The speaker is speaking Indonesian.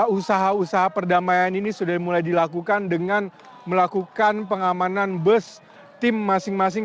usaha usaha perdamaian ini sudah mulai dilakukan dengan melakukan pengamanan bus tim masing masing